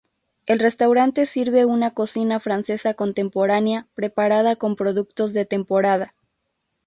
El restaurante sirve una cocina francesa contemporánea preparada con productos de temporada.